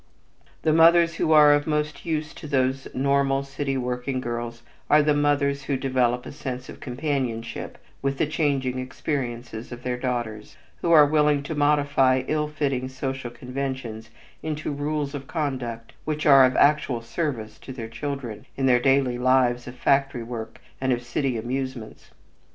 The mothers who are of most use to these normal city working girls are the mothers who develop a sense of companionship with the changing experiences of their daughters, who are willing to modify ill fitting social conventions into rules of conduct which are of actual service to their children in their daily lives of factory work and of city amusements.